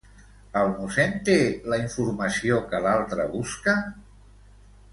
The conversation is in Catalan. El mossèn té la informació que l'altre busca?